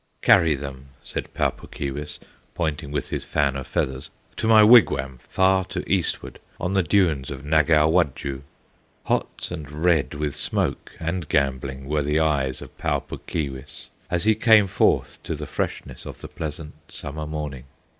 "Carry them," said Pau Puk Keewis, Pointing with his fan of feathers, "To my wigwam far to eastward, On the dunes of Nagow Wudjoo!" Hot and red with smoke and gambling Were the eyes of Pau Puk Keewis As he came forth to the freshness Of the pleasant Summer morning.